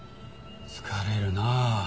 疲れるな。